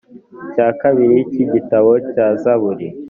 cya kabiri cy igitabo cya zaburi